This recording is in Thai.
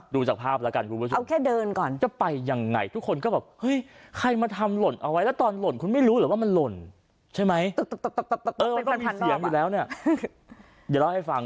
ดูจากภาพละกัน